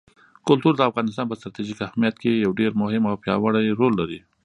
کلتور د افغانستان په ستراتیژیک اهمیت کې یو ډېر مهم او پیاوړی رول لري.